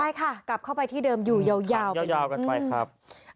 ใช่ค่ะกลับเข้าไปที่เดิมอยู่ยาวยาวกันไปครับ